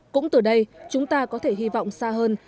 cũng từ đây chúng ta có thể hy vọng xa hơn